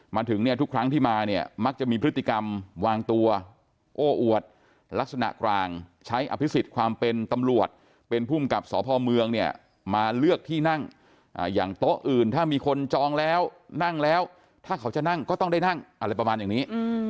มาถึงเนี่ยทุกครั้งที่มาเนี่ยมักจะมีพฤติกรรมวางตัวโอ้อวดลักษณะกลางใช้อภิษฎความเป็นตำรวจเป็นภูมิกับสพเมืองเนี่ยมาเลือกที่นั่งอย่างโต๊ะอื่นถ้ามีคนจองแล้วนั่งแล้วถ้าเขาจะนั่งก็ต้องได้นั่งอะไรประมาณอย่างนี้